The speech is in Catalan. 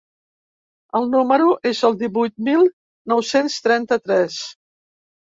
El número es el divuit mil nou-cents trenta-tres.